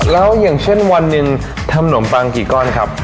แล้วอย่างเช่นวันหนึ่งทำหนมปังกี่ก้อนครับ